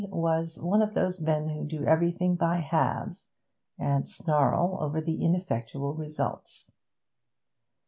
was one of those men who do everything by halves and snarl over the ineffectual results.